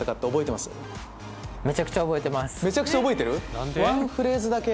めちゃくちゃ覚えてる？